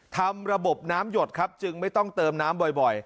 ทำระบบน้ำหยดครับจึงไม่ต้องเติมน้ำบ่อย